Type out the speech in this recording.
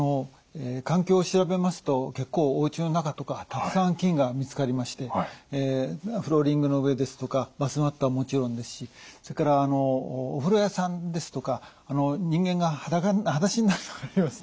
環境を調べますと結構おうちの中とかたくさん菌が見つかりましてフローリングの上ですとかバスマットはもちろんですしそれからお風呂屋さんですとか人間が裸足になる所ありますね。